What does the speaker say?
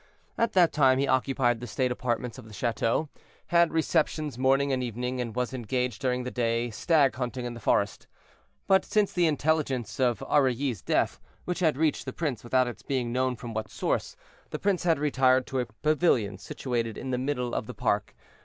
At that time he occupied the state apartments of the chateau, had receptions morning and evening, and was engaged during the day stag hunting in the forest; but since the intelligence of Aurilly's death, which had reached the prince without its being known from what source, the prince had retired to a pavilion situated in the middle of the park.